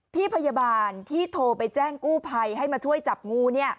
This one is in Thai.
พี่พยาบาลที่โทรไปแจ้งกู้ภัยให้มาช่วยจับงู